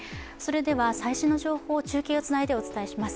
最新の情報を中継をつないでお伝えします。